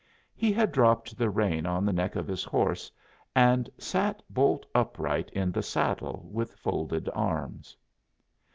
He had dropped the rein on the neck of his horse and sat bolt upright in the saddle, with folded arms.